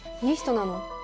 いい人なの？